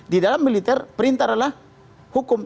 di dalam militer perintah adalah hukum